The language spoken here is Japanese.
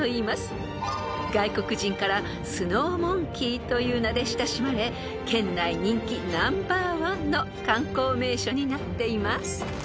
［外国人からスノーモンキーという名で親しまれ県内人気ナンバーワンの観光名所になっています］